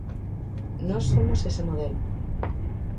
Nós somos ese modelo.